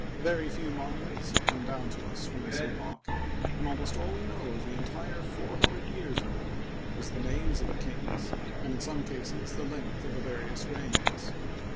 Very few monuments have come down to us from this epoch, and almost all we know of the entire four hundred years or more is the names of the kings and in some cases the length of the various reigns.